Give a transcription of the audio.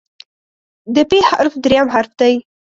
د "پ" حرف دریم حرف دی.